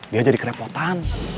dia jadi kerepotan